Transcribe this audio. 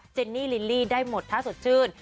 เนนี่ลิลลี่ได้หมดท่าสดชื่น